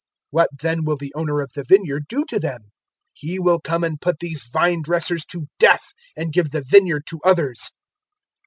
What then will the owner of the vineyard do to them? 020:016 He will come and put these vine dressers to death, and give the vineyard to others."